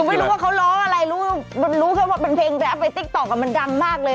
ก็ไม่รู้ว่าเขาร้องอะไรรู้ว่ารู้ว่าว่าเป็นเพลงแรกไปติ๊กต๊อกอะมันดำมากเลย